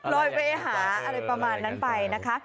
ลอยไปหาอะไรประมาณนั้นไปนะคะ